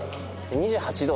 ２８度？